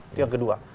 itu yang kedua